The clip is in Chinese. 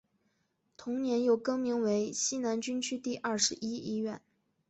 同年又更名为西南军区第二十一医院。